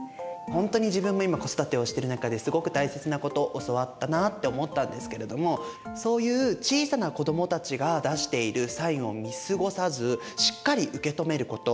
ほんとに自分も今子育てをしている中ですごく大切なこと教わったなって思ったんですけれどもそういう小さな子どもたちが出しているサインを見過ごさずしっかり受け止めること。